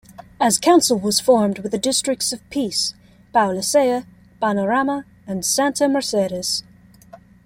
As council was formed with the districts of peace Pauliceia, Panorama and Santa Mercedes.